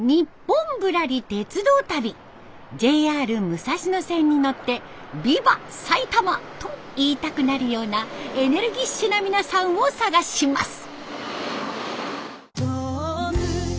ＪＲ武蔵野線に乗って「ビバ！埼玉」と言いたくなるようなエネルギッシュな皆さんを探します。